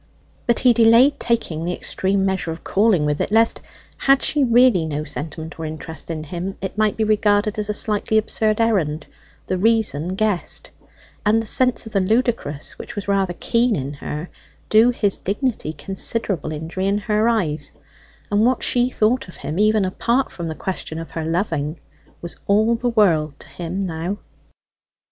But he delayed taking the extreme measure of calling with it lest, had she really no sentiment of interest in him, it might be regarded as a slightly absurd errand, the reason guessed; and the sense of the ludicrous, which was rather keen in her, do his dignity considerable injury in her eyes; and what she thought of him, even apart from the question of her loving, was all the world to him now.